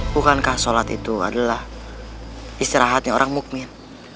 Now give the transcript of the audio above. bukankah sholat itu adalah istirahatnya orang mukmin